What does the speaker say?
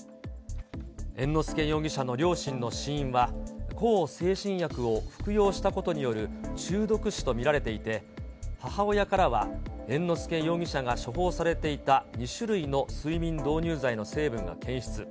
猿之助容疑者の両親の死因は、向精神薬を服用したことによる中毒死と見られていて、母親からは、猿之助容疑者が処方されていた２種類の睡眠導入剤の成分が検出。